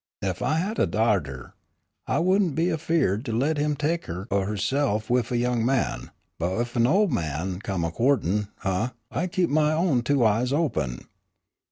Ef I had a darter, I wouldn' be afeard to let huh tek keer o' huhse'f wif a young man, but ef a ol' man come a cou'tin' huh, I'd keep my own two eyes open."